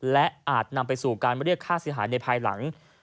และอาจนำไปสู่การเรียกค่าเสียหายในภายหลัง